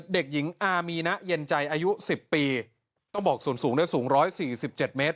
เด็กหญิงอามีนะเย็นใจอายุ๑๐ปีต้องบอกส่วนสูงได้สูง๑๔๗เมตร